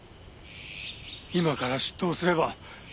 今から出頭すれば。